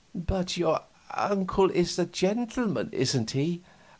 "But your uncle is a gentleman, isn't he?"